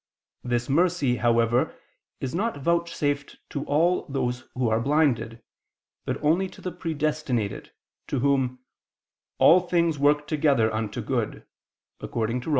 This mercy, however, is not vouchsafed to all those who are blinded, but only to the predestinated, to whom "all things work together unto good" (Rom.